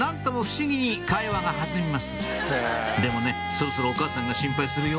そろそろお母さんが心配するよ